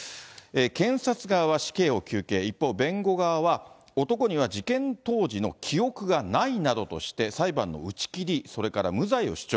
検察側は死刑を求刑、一方、弁護側は、男には事件当時の記憶がないなどとして、裁判の打ち切り、それから無罪を主張。